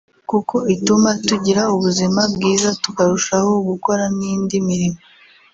kuko ituma tugira ubuzima bwiza tukarushaho gukora n’indi mirimo